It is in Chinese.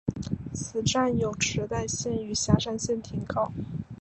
此站有池袋线与狭山线停靠。